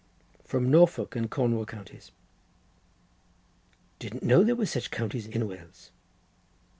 "From Norfolk and Cornwall counties." "Didn't know there were such counties in Wales."